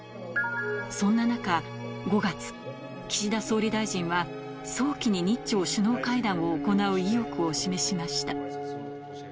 そんな中、５月、岸田総理大臣は早期に日朝首脳会談を行う意欲を示しました。